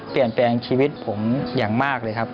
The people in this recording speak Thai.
เปลี่ยนแปลงชีวิตผมอย่างมากเลยครับ